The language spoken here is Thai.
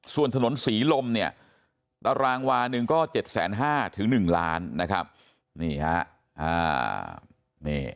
ส่วนถนนศรีลมตารางวาล๑ก็๗๕๐๐๐๐บาทถึง๑ล้านบาท